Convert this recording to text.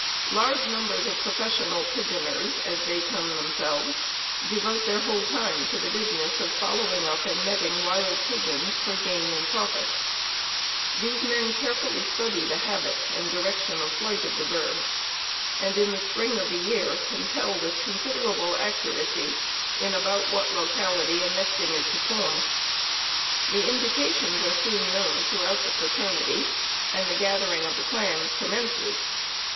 Large numbers of professional "pigeoners," as they term themselves, devote their whole time to the business of following up and netting wild pigeons for gain and profit. These men carefully study the habits and direction of flight of the birds, and in the spring of the year can tell with considerable accuracy in about what locality a nesting is to form. The indications are soon known throughout the fraternity and the gathering of the clans commences.